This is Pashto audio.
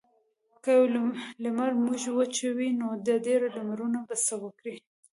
که یو لمر موږ وچوي نو ډیر لمرونه به څه وکړي.